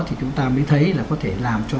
thì chúng ta mới thấy là có thể làm cho